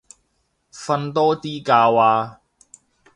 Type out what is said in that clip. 瞓多啲覺啊